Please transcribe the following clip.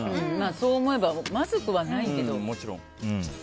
そう思えばまずくはないけど。